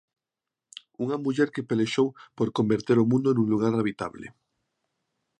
Unha muller que pelexou por "converter o mundo nun lugar habitable".